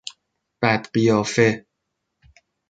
بد قیافه